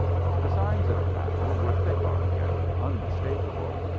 The signs of battle were thick on him, unmistakable.